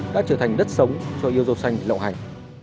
đã trở thành đất sống cho yêu dâu xanh lộ hành